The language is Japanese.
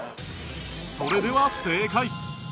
それでは正解